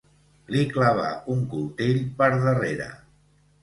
Li clavà un coltell per darrere.